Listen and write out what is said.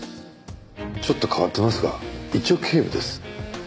ちょっと変わってますが一応警部です。